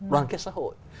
đoàn kết xã hội